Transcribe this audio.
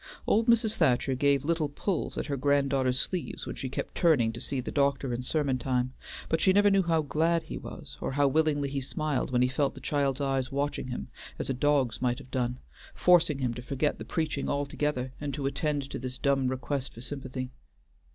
Old Mrs. Thacher gave little pulls at her granddaughter's sleeves when she kept turning to see the doctor in sermon time, but she never knew how glad he was, or how willingly he smiled when he felt the child's eyes watching him as a dog's might have done, forcing him to forget the preaching altogether and to attend to this dumb request for sympathy.